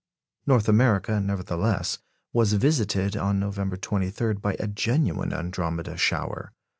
North America, nevertheless, was visited on November 23 by a genuine Andromede shower.